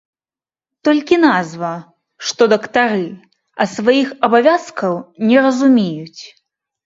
Толькі назва, што дактары, а сваіх абавязкаў не разумеюць.